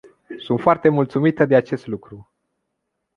Sunt foarte mulțumită de acest lucru.